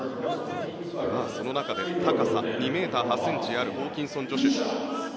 その中で高さ、２ｍ８ｃｍあるホーキンソン・ジョシュ。